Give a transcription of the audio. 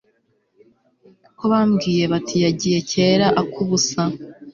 ko bambwiye bati yagiye kera ak'ubusa